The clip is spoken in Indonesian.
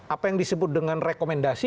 apa yang disebut dengan rekomendasi